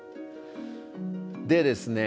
でですね